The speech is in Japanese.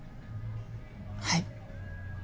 はい。